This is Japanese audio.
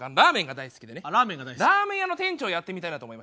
ラーメン屋の店長やってみたいなと思いましてね。